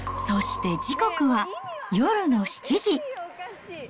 そして時刻は夜の７時。